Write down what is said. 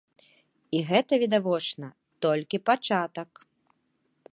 І гэта, відавочна, толькі пачатак.